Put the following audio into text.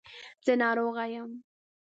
زه ناروغه یم .